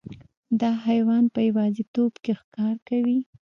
دا حیوان په یوازیتوب کې ښکار کوي.